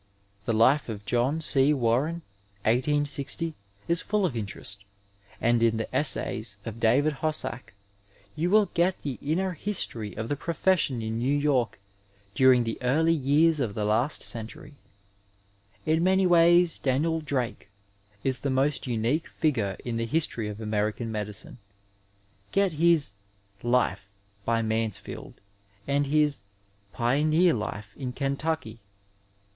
The life of John C. Warren (1860) is full of interest, and in the Essays of David Hossack you will get the inner history of the profession in New York during the early years of tbe d24 Digitized byVjOOQlC MEDICAL BIBLIOGRAPHY last oentmy. In msny ways Danid Drake is the most unique figure in tlie histoiy of American medicine. Get his Zit/e, hj Mansfield, and his Pitmear Life in Kentuehy.